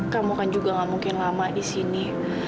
kamu kan juga gak mungkin lama di sini